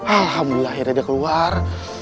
alhamdulillah akhirnya dia keluar